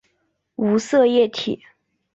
无色液体。